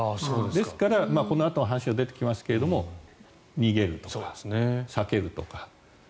ですからこのあとの話にも出てきますが逃げるとか避けるとか。